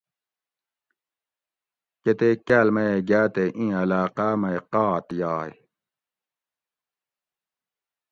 کۤتیک کاۤل میۤہ گاۤ تے اِیں علاۤقاۤ مئ قات یائ